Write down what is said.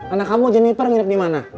anak kamu jennifer nginep dimana